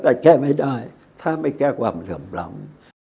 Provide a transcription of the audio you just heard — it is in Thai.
แต่แก้ไม่ได้ถ้าไม่แก้ความเหลื่อมล้ำ